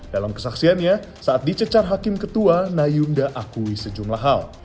dalam kesaksiannya saat dicecar hakim ketua nayunda akui sejumlah hal